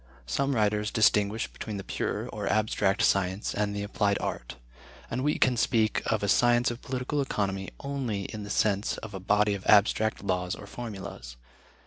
Some writers distinguish between the pure, or abstract science, and the applied art, and we can speak of a science of political economy only in the sense of a body of abstract laws or formulas.